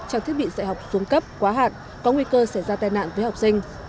trong thiết bị dạy học xuống cấp quá hạn có nguy cơ sẽ ra tai nạn với học sinh